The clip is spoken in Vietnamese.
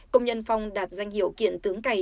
công nhân phong đạt danh hiệu kiện tướng cày